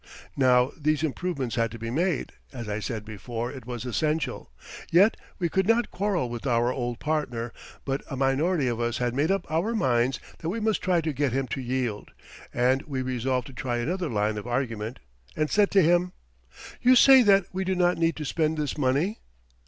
Now these improvements had to be made as I said before, it was essential. Yet we could not quarrel with our old partner, but a minority of us had made up our minds that we must try to get him to yield, and we resolved to try another line of argument, and said to him: "You say that we do not need to spend this money?"